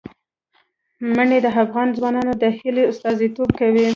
منی د افغان ځوانانو د هیلو استازیتوب کوي.